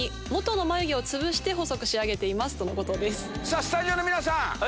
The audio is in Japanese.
スタジオの皆さん！